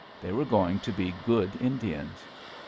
They were going to be good Indians.